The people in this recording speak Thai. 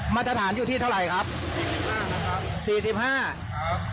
มาตรฐานอยู่ที่เท่าไหร่ครับสี่สิบห้านะครับสี่สิบห้าครับ